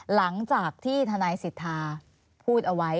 หลังจากที่ทนายสิทธาพูดเอาไว้